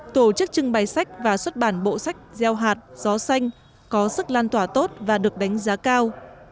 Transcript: tổ chức trưng bày sách và xuất bản bộ sách gieo hạt gió xanh có sức lan tỏa tốt và được đánh giá cao